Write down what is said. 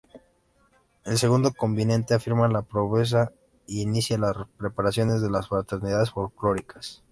El "segundo convite" afirma la promesa e inicia la preparación de las fraternidades folclóricas.